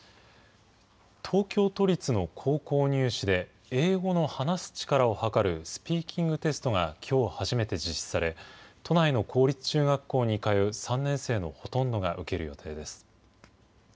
東京都立の高校入試で英語の話す力をはかるスピーキングテストがきょう初めて実施され、都内の公立中学校に通う３年生のほとんどが受ける予定です。